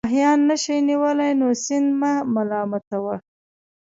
که ماهیان نه شئ نیولای نو سیند مه ملامتوه.